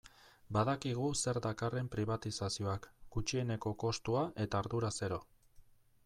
Badakigu zer dakarren pribatizazioak, gutxieneko kostua eta ardura zero.